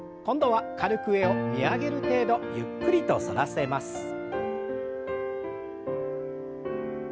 今度は軽く上を見上げる程度ゆっくりと反らせます。